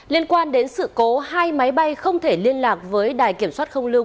liên quan đến sự cố hai máy bay không thể liên lạc với đài kiểm soát không lưu